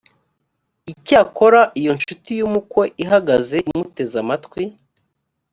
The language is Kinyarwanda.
icyakora iyo incuti y umukwe ihagaze imuteze amatwi